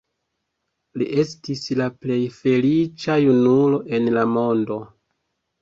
Li estis la plej feliĉa junulo en la mondo.